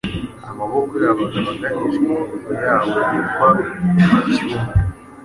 Amaboko yabo agaba ataneshwa Imihigo yabo yitwa « icy'umwe »